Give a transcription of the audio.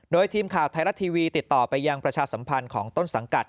โดยทีมข่าวไทยรัฐทีวีติดต่อไปยังประชาสัมพันธ์ของต้นสังกัด